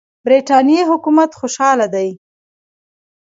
برټانیې حکومت خوشاله دی.